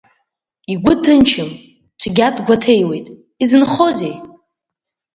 Игәы ҭынчым, цәгьа дгәаҭеиуеит, изынхозеи?